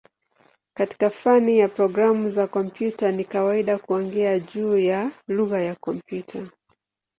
Katika fani ya programu za kompyuta ni kawaida kuongea juu ya "lugha ya kompyuta".